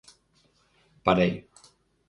Parei.